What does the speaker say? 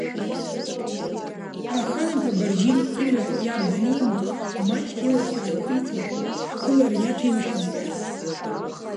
Ахан-иԥа Барџьиль имаҳә иаб данимба маҷк илахь ааиқәиҵеит, ҳԥылара иаҭәеимшьаӡеи ҳәа.